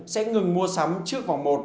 sẽ ngừng mua sắm trước vòng một